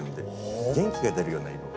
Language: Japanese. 元気が出るような色が。